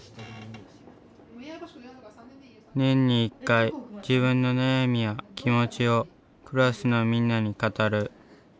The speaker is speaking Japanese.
年に１回自分の悩みや気持ちをクラスのみんなに語る。